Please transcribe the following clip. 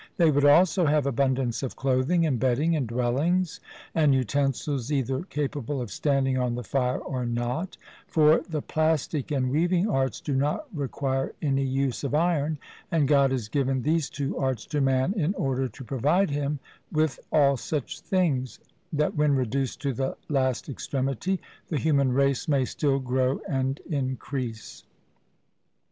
They would also have abundance of clothing, and bedding, and dwellings, and utensils either capable of standing on the fire or not; for the plastic and weaving arts do not require any use of iron: and God has given these two arts to man in order to provide him with all such things, that, when reduced to the last extremity, the human race may still grow and increase.